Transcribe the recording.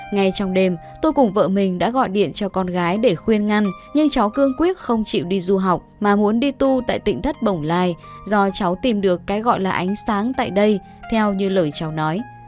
ngay trong đêm tôi cùng vợ mình đã gọi điện cho con gái để khuyên ngăn nhưng cháu cương quyết không chịu đi du học mà muốn đi tu tại tỉnh thất bồng lai do cháu tìm được cái gọi là ánh sáng tại đây theo như lời cháu nói